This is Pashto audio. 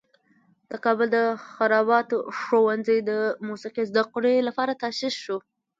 د کابل د خراباتو ښوونځی د موسیقي زده کړې لپاره تاسیس شو.